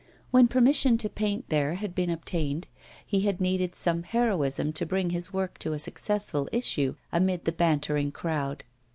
When permission to paint there had been obtained, he had needed some heroism to bring his work to a successful issue amid the bantering crowd.